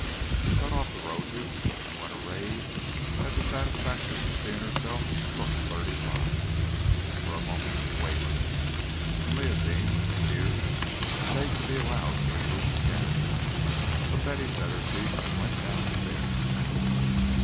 She cut off the roses; and when arrayed had the satisfaction of seeing herself look thirty five. For a moment she wavered, and Leontine, with tears, begged to be allowed to remove the gown; but Betty set her teeth and went downstairs.